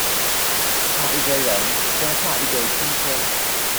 畫一堆人跟畫一堆圈圈